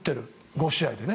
５試合でね。